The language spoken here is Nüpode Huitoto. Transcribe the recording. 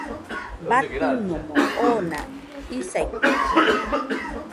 Batɨnomo oona isaitɨkue.